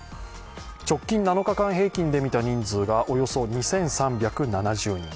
直近７日間平均で見た人数がおよそ２３７０人。